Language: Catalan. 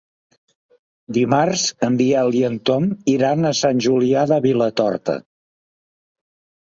Dimarts en Biel i en Tom iran a Sant Julià de Vilatorta.